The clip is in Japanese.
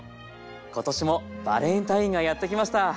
今年もバレンタインがやって来ました。